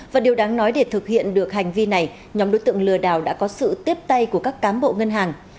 và điều đáng nói để thực hiện được hành vi này nhóm đối tượng lừa đảo đã có sự tiếp tay của các cám bộ ngân hàng